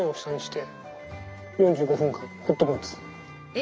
え